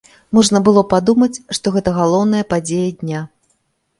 Можна было падумаць, што гэта галоўная падзея дня.